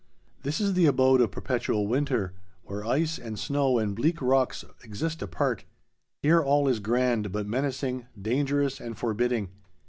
This is the abode of perpetual winter, where ice and snow and bleak rocks exist apart. Here all is grand but menacing, dangerous, and forbidding.